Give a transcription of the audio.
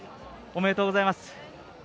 おめでとうございます。